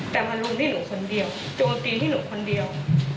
แต่มันลงที่หนูคนเดียวโจมตีที่หนูคนเดียว